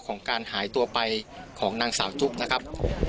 ของการหายตัวไปของนางสาวจุ๊บนะครับ